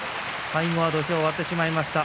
最後は土俵を割ってしまいました。